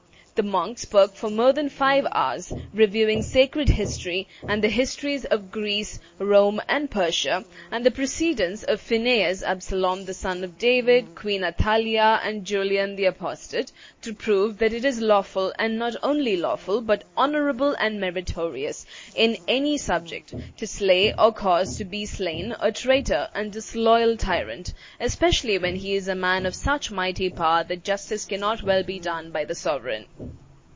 The monk spoke for more than five hours, reviewing sacred history, and the histories of Greece, Rome, and Persia, and the precedents of Phineas, Absalom the son of David, Queen Athaliah, and Julian the Apostate, to prove "that it is lawful, and not only lawful, but honorable and meritorious, in any subject to slay or cause to be slain a traitor and disloyal tyrant, especially when he is a man of such mighty power that justice cannot well be done by the sovereign."